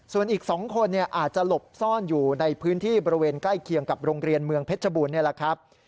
ส่วนอีก๒คนอาจจะหลบซ่อนอยู่ในพื้นที่บริเวณใกล้เคียงกับโรงเรียนเมืองเพชรบูรณนี่แหละครับ